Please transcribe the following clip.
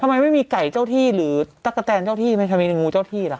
ทำไมไม่มีไก่เจ้าที่หรือตั๊กกะแตนเจ้าที่ไหมทำไมในงูเจ้าที่ล่ะ